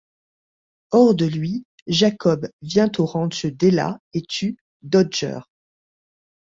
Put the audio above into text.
Hors de lui, Jacob vient au ranch d’Ella et tue Dodger.